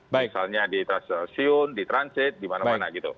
misalnya di transaksiun di transit di mana mana gitu